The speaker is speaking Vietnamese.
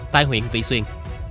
tại huyện vị xuyên